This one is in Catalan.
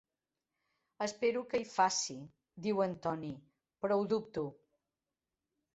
"Espero que hi faci", diu en Toni, "però ho dubto".